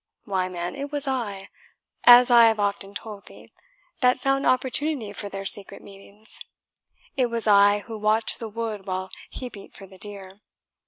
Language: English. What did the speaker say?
Why, man, it was I as I have often told thee that found opportunity for their secret meetings. It was I who watched the wood while he beat for the deer.